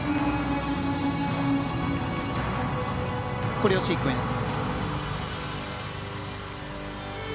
コレオシークエンス。